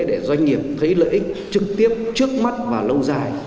để doanh nghiệp thấy lợi ích trực tiếp trước mắt và lâu dài